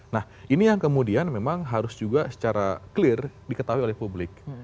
nah ini yang kemudian memang harus juga secara clear diketahui oleh publik